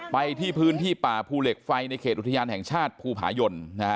ไปที่พื้นที่ป่าภูเหล็กไฟในเขตอุทยานแห่งชาติภูผายน